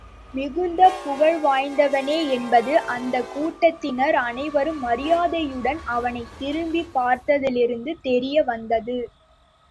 மிகுந்த புகழ்வாய்ந்தவனே என்பது அந்தக் கூட்டத்தினர் அனைவரும் மரியாதையுடன் அவனைத் திரும்பிப் பார்த்ததிலிருந்து தெரிய வந்தது.